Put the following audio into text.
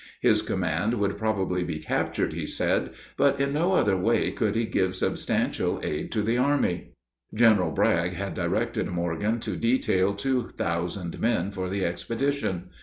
His command would probably be captured, he said; but in no other way could he give substantial aid to the army. General Bragg had directed Morgan to detail two thousand men for the expedition.